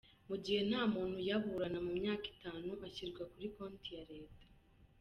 Mu gihe nta muntu uyaburana mu myaka itanu, ashyirwa kuri konti ya leta.